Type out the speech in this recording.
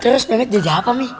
terus memet jadi apa mi